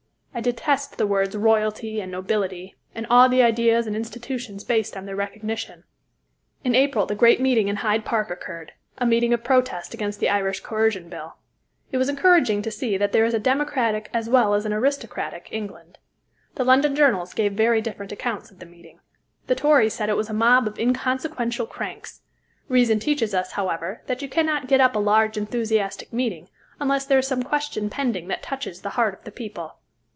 I detest the words "royalty" and "nobility," and all the ideas and institutions based on their recognition. In April the great meeting in Hyde Park occurred a meeting of protest against the Irish Coercion Bill. It was encouraging to see that there is a democratic as well as an aristocratic England. The London journals gave very different accounts of the meeting. The Tories said it was a mob of inconsequential cranks. Reason teaches us, however, that you cannot get up a large, enthusiastic meeting unless there is some question pending that touches the heart of the people.